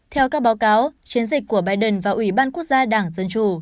theo các báo cáo chiến dịch của biden và ủy ban quốc gia đảng dân chủ